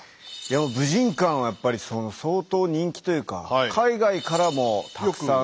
武神館はやっぱり相当人気というか海外からもたくさん。